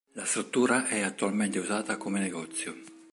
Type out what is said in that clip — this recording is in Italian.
La struttura è attualmente usata come negozio.